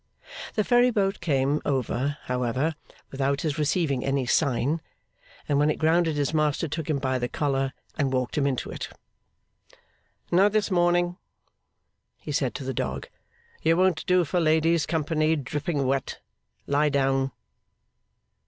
The ferry boat came over, however, without his receiving any sign, and when it grounded his master took him by the collar and walked him into it. 'Not this morning,' he said to the dog. 'You won't do for ladies' company, dripping wet. Lie down.